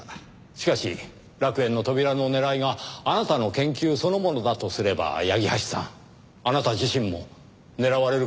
しかし楽園の扉の狙いがあなたの研究そのものだとすれば八木橋さんあなた自身も狙われる可能性があるんですよ？